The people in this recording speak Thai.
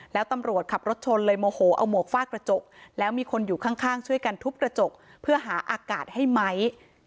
แล้วตำรวจขับรถชนเลยโมโหเอาหมวกฟาดกระจกแล้วมีคนอยู่ข้างช่วยกันทุบกระจกเพื่อหาอากาศให้ไหม